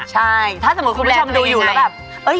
ใช่ถ้าสมมุติคุณผู้ชมดูอยู่แล้วแบบ